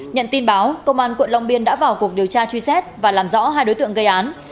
nhận tin báo công an quận long biên đã vào cuộc điều tra truy xét và làm rõ hai đối tượng gây án